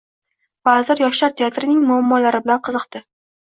Vazir Yoshlar teatrining muammolari bilan qiziqdi